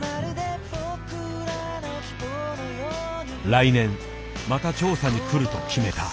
来年また調査に来ると決めた。